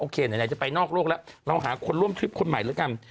เข้าใจจะไปนอกโลกแล้วงันว่าออกมาหาคนร่วมทริปคนใหม่